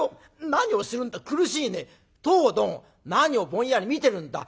何をするんだ苦しいね！とおどん何をぼんやり見てるんだ。